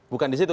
bukan di situ